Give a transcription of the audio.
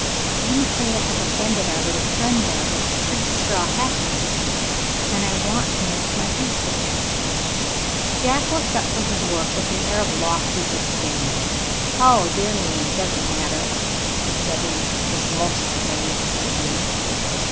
I am afraid I have offended our little friend there, with the pretty straw hat in his hand, and I want to make my peace with him." Jack looked up from his work with an air of lofty disdain. "Oh, dear me, it doesn't matter," he said, in his most magnificent manner.